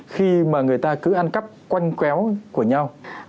khi mà người ta cứ ăn cắp quanh quéo của nhau